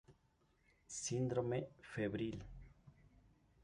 Síndrome febril.